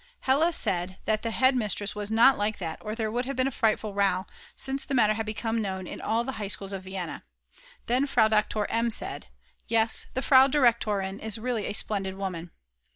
Hella said that the head mistress was not like that or there would have been a frightful row, since the matter had become known in all the High Schools of Vienna. Then Frau Doktor M. said: "Yes, the Frau Direktorin is really a splendid woman."